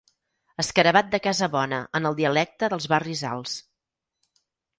Escarabat de casa bona en el dialecte dels barris alts.